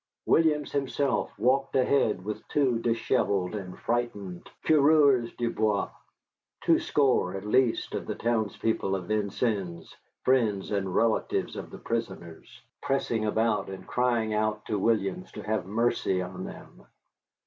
Williams himself walked ahead with two dishevelled and frightened coureurs du bois, twoscore at least of the townspeople of Vincennes, friends and relatives of the prisoners, pressing about and crying out to Williams to have mercy on them.